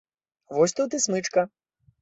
Вось тут і смычка.